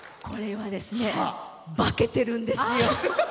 これはですね化けてるんですよ。